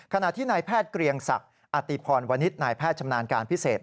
ขณะที่นายแพทย์เกรียงศักดิ์อติพรวนิษฐ์นายแพทย์ชำนาญการพิเศษ